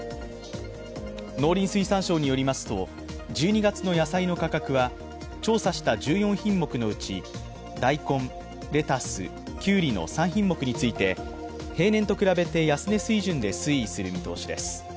農林水産省によりますと１２月の野菜の価格は調査した１４品目のうち大根、レタス、きゅうりの３品目について平年と比べて安値水準で推移する見通しです。